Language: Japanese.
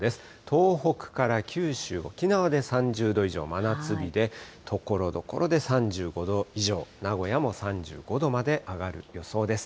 東北から九州、沖縄で３０度以上、真夏日で、ところどころで３５度以上、名古屋も３５度まで上がる予想です。